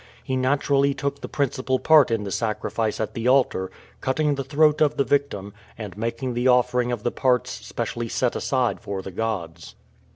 He naturally took the principal part in the sacrifice at the altar, cutting the throat of the victim, and making the offering of the parts specially set aside for the gods.